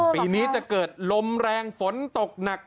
ปีนี้จะเกิดลมแรงฝนตกหนัก